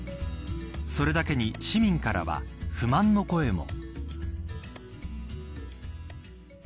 それだけに市民からは不満の声も。